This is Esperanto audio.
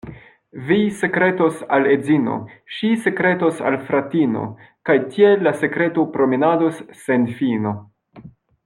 Vi sekretos al edzino, ŝi sekretos al fratino, kaj tiel la sekreto promenados sen fino.